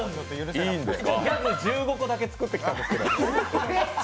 ギャグ１５個だけ作ってきたんですけど。